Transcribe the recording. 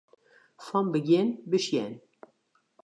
Fan begjin besjen.